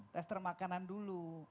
tester makanan dulu